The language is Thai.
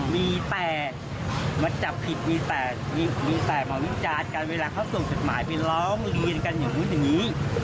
มีแต่มาจับผิดมีแต่มีแต่มาวิจารณ์กันเวลาเขาส่งจดหมายไปร้องเรียนกันอย่างนู้นอย่างนี้